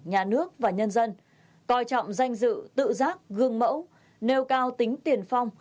nhà nước và nhân dân coi trọng danh dự tự giác gương mẫu nêu cao tính tiền phong